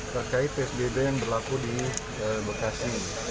terkait psbb yang berlaku di bekasi